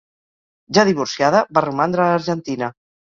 Ja divorciada, va romandre a Argentina.